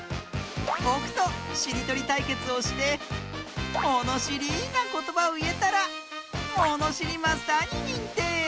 ぼくとしりとりたいけつをしてものしりなことばをいえたらものしりマスターににんてい！